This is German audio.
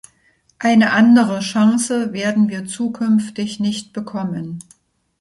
Eine andere Chance werden wir zukünftig nicht bekommen.